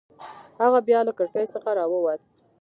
هغه بیا له کړکۍ څخه راووت.